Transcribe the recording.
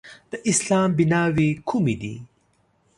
د اسلام بیناوې کومې دي؟